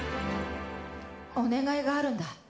お願いがあるんだ。